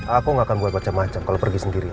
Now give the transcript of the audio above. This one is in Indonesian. aku gak akan buat macam macam kalau pergi sendiri